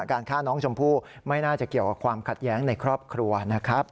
การฆ่าน้องชมพู่ไม่น่าจะเกี่ยวกับความขัดแย้งในครอบครัวนะครับ